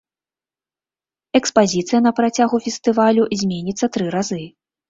Экспазіцыя на працягу фестывалю зменіцца тры разы.